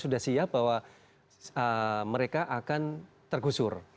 sudah siap bahwa mereka akan tergusur